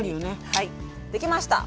はいできました！